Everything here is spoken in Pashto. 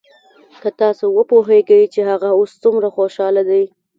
که تاسو وپويېګئ چې هغه اوس سومره خوشاله دى.